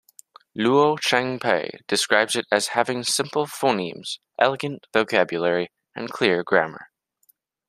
Luo Changpei describes it as having simple phonemes, elegant vocabulary, and clear grammar.